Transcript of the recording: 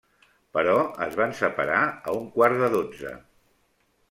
Però es van separar a un quart de dotze.